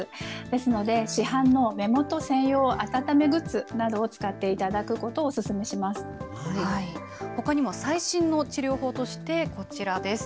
ですので、市販の目元専用温めグッズなどを使っていただくことをほかにも最新の治療法として、こちらです。